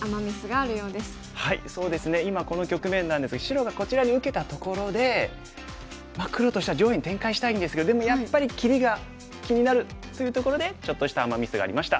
今この局面なんですが白がこちらに受けたところで黒としては上辺に展開したいんですけどでもやっぱり切りが気になるというところでちょっとしたアマ・ミスがありました。